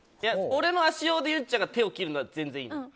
俺の足用でゆんちゃんが手を切るのはいいの。